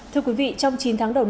thưa quý vị trong chín tháng đầu năm